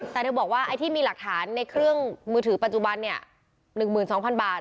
แต่เธอบอกว่าไอ้ที่มีหลักฐานในเครื่องมือถือปัจจุบันเนี่ย๑๒๐๐๐บาท